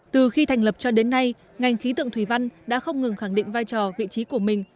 từ khi thành lập cho đến nay ngành khí tượng thủy văn đã không ngừng khẳng định vai trò vị trí của mình